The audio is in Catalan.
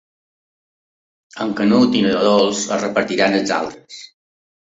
El Canut i la Dols es repartiran els altres.